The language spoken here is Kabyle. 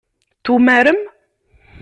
Tumarem?